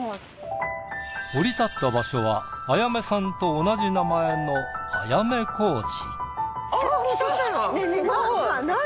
降り立った場所は彩芽さんと同じ名前のあやめ小路。